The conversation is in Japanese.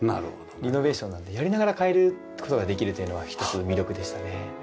リノベーションなのでやりながら変える事ができるというのは１つ魅力でしたね。